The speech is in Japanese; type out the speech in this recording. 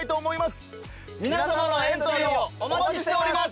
皆さまのエントリーをお待ちしております。